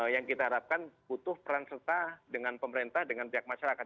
yang kita harapkan butuh peran serta dengan pemerintah dengan pihak masyarakat